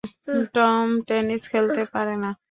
Tom tennis খেলতে পারে না।